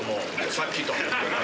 さっきと。